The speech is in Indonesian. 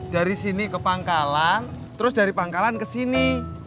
dari sini ke pangkalan terus dari pangkalan ke sini